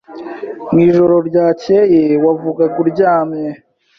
Mwijoro ryakeye wavugaga uryamye.